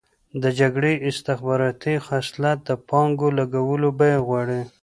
د جګړې استخباراتي خصلت د پانګو لګولو بیه غواړي.